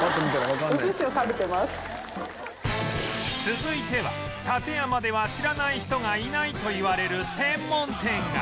続いては館山では知らない人がいないといわれる専門店が！